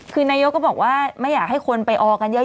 คือนายกก็บอกว่าไม่อยากให้คนไปออกันเยอะ